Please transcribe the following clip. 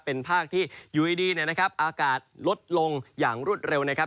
เป็นภาคที่อยู่ดีอากาศลดลงอย่างรุดเร็วนะครับ